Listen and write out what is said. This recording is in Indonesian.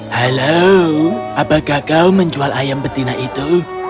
halo apakah kau menjual ayam betina itu